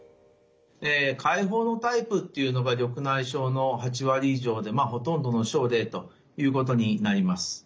開放のタイプっていうのが緑内障の８割以上でまあほとんどの症例ということになります。